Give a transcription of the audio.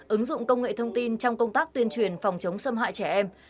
ứng dụng công nghệ thông tin trong công tác tuyên truyền phòng chống xâm hại trẻ em